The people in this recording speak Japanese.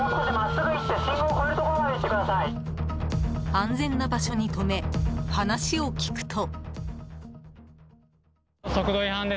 安全な場所に止め話を聞くと。